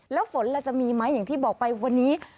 แล้วฝนเราจะมีไหมอย่างที่บอกไปวันนี้